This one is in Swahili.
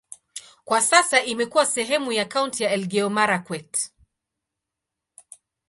Kwa sasa imekuwa sehemu ya kaunti ya Elgeyo-Marakwet.